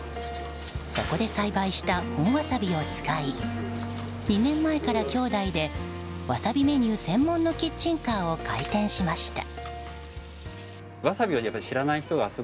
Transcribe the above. そこで栽培した本ワサビを使い２年前から兄弟でワサビメニュー専門のキッチンカーを開店しました。